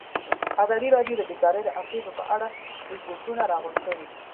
ازادي راډیو د بیکاري د اغېزو په اړه ریپوټونه راغونډ کړي.